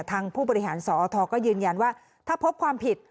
ผู้บริหารสอทก็ยืนยันว่าถ้าพบความผิด